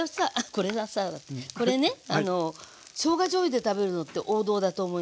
これがさこれねしょうがじょうゆで食べるのって王道だと思いません？